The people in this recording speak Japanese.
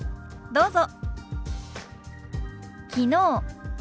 どうぞ。